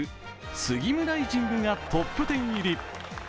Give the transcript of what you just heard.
スギムライジングがトップ１０入り。